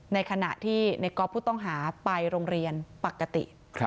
ในขณะที่ในก๊อฟผู้ต้องหาไปโรงเรียนปกติ